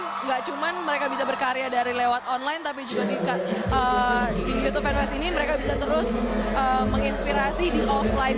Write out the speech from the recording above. tidak cuma mereka bisa berkarya dari lewat online tapi juga di youtube fan west ini mereka bisa terus menginspirasi di offline